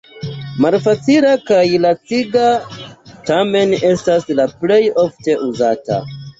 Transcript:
Malfacila kaj laciga, tamen estas la plej ofte uzata.